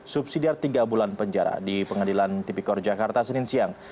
subsidiar tiga bulan penjara di pengadilan tipikor jakarta senin siang